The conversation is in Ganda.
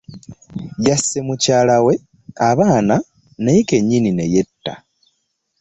Yasse mukyalawe , abaana , naye kenyinni neyetta .